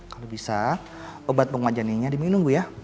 kalau bisa obat penguat janinnya diminum bu ya